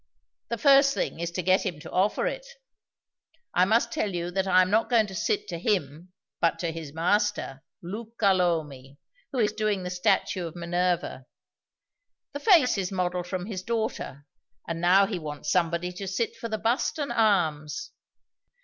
"The first thing is to get him to offer it. I must tell you that I am not going to sit to him, but to his master, Luca Lomi, who is doing the statue of Minerva. The face is modeled from his daughter; and now he wants somebody to sit for the bust and arms.